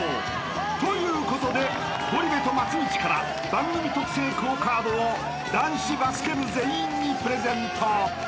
［ということでゴリ部と松道から番組特製ＱＵＯカードを男子バスケ部全員にプレゼント］